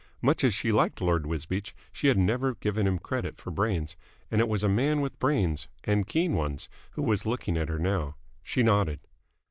Much as she liked Lord Wisbeach, she had never given him credit for brains, and it was a man with brains and keen ones who was looking at her now. She nodded.